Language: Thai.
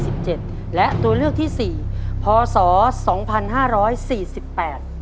สิบเจ็ดและตัวเลือกที่สี่พศสองพันห้าร้อยสี่สิบแปด